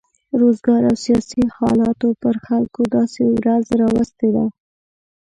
روزګار او سیاسي حالاتو پر خلکو داسې ورځ راوستې ده.